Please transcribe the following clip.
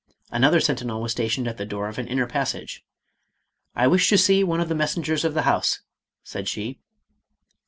Another sentinel was stationed at the door of an inner passage. " I wish to see one of the messen gers of the House," said she.